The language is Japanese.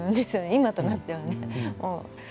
今となってはね。